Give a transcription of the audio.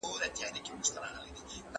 ماشومانو ته د چینجیو ضد ګولۍ ولي ورکوي؟